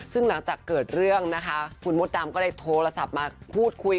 ซึ่งหลังจากเกิดเรื่องนะคะคุณมดดำก็เลยโทรศัพท์มาพูดคุย